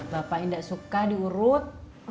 bapak nggak suka diurut